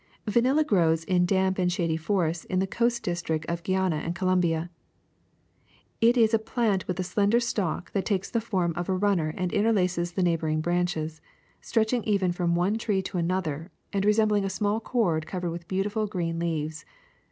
*' Vanilla grows in damp and shady forests in the coast districts of Guiana and Colombia. It is a plant with a slender stalk that takes the form of a runner and interlaces the neighboring branches, stretching even from one tree to another, and re sembling a small cord cov ered with beautiful green leaves.